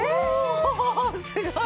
おおすごい！